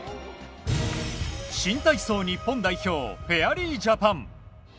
新体操日本代表フェアリージャパン。